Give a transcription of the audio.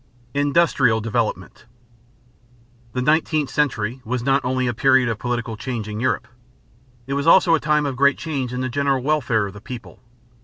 INDUSTRIAL DEVELOPMENT. The nineteenth century was not only a period of political change in Europe. It was also a time of great changes in the general welfare of the people.